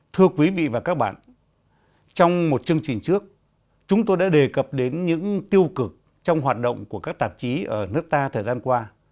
thưa quý vị và các bạn trong một chương trình trước chúng tôi đã đề cập đến những tiêu cực trong hoạt động của các tạp chí ở nước ta thời gian qua